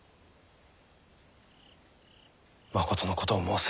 まことのことを申せ。